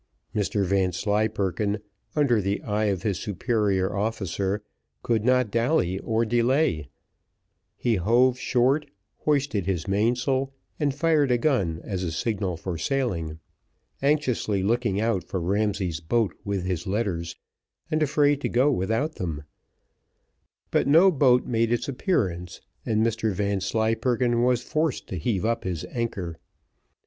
Mr Vanslyperken, under the eye of his superior officer, could not dally or delay: he hove short, hoisted his mainsail, and fired a gun as a signal for sailing; anxiously looking out for Ramsay's boat with his letters, and afraid to go without them; but no boat made its appearance, and Mr Vanslyperken was forced to heave up his anchor.